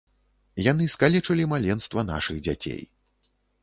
Яны скалечылі маленства нашых дзяцей.